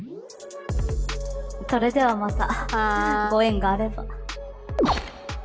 それではまたご縁があれば。